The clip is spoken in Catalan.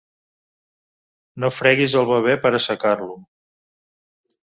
No freguis el bebè per assecar-lo.